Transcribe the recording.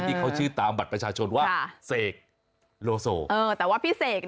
ที่เขาชื่อตามบัตรประชาชนว่าเสกโลโซเออแต่ว่าพี่เสก